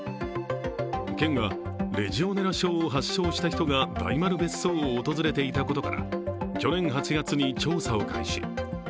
県は、レジオネラ症を発症した人が大丸別荘を訪れていたことから去年８月に調査を開始。